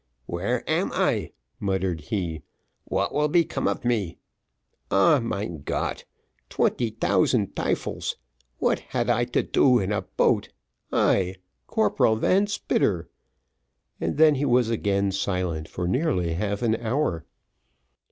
"Where am I?" muttered he; "what will become of me? Ah, mein Gott! twenty tousand tyfels what had I to do in a boat I, Corporal Van Spitter?" and then he was again silent for nearly half an hour.